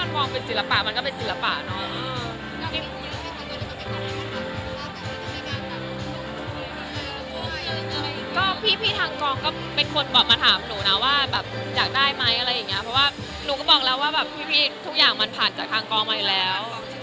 ก็พี่ทางกองก็เป็นคนบอกมาถามหนูนะว่าแบบอยากได้ไหมอะไรอย่างเงี้ยเพราะว่าหนูก็บอกแล้วว่าแบบพี่ทุกอย่างมันผ่านจากทางกองมาอยู่แล้ว